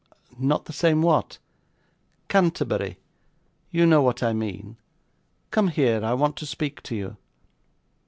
'Not the same what?' 'Canterbury you know what I mean. Come here! I want to speak to you.